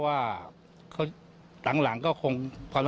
ไม่ตั้งใจครับ